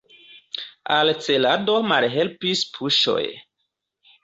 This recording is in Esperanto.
Al celado malhelpis puŝoj.